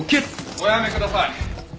おやめください。